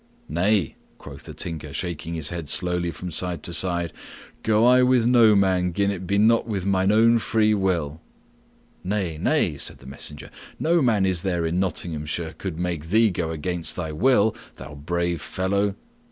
"Nay," quoth the Tinker, shaking his head slowly from side to side. "Go I with no man gin it be not with mine own free will." "Nay, nay," said the messenger, "no man is there in Nottinghamshire could make thee go against thy will, thou brave fellow."